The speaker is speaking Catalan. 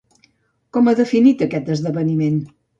Com ha definit aquest esdeveniment?